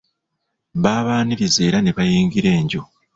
Baabaniriza era ne bayingira enju.